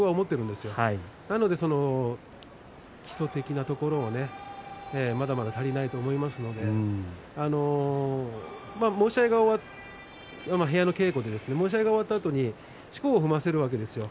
ですから基礎的なところまだまだ足りないと思いますので部屋の稽古で申し合いが終わったあとにしこを踏ませるわけですよ。